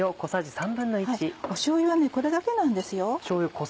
しょうゆはこれだけなんですよ。